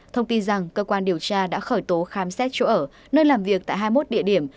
thông tin rằng cơ quan điều tra đã khởi tố khám xét chỗ ở nơi làm việc tại hai mươi một địa điểm